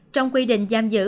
trong quy định giam giữ